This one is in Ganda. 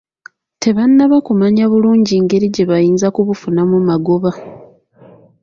Tebannaba kumanya bulungi ngeri gye bayinza kubufunamu magoba.